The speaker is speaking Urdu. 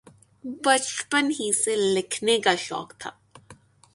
بچپن ہی سے لکھنے کا شوق تھا۔